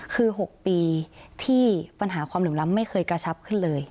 คือ๖ปีที่ปัญหาความเหลื่อมล้ำไม่เคยกระชับขึ้นเลย